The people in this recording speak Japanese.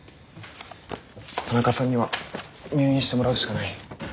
田中さんには入院してもらうしかない。